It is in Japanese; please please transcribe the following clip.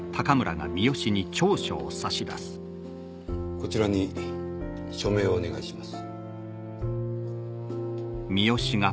こちらに署名をお願いします